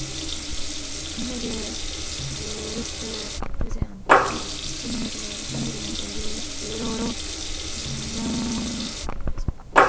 동혁의 무릎을 아프지 않게 치며 별 하늘을 우러러 명랑히 웃었다.